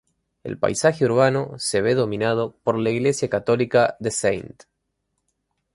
El paisaje urbano se ve dominado por la iglesia católica de St.